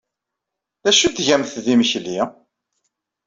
D acu ay d-tgamt d imekli?